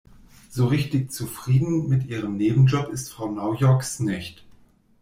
So richtig zufrieden mit ihrem Nebenjob ist Frau Naujoks nicht.